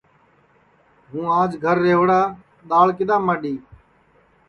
آج ہوں گھر رِوڑا دؔاݪ کِدؔا ماڈؔی